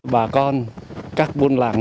bà con các buôn làng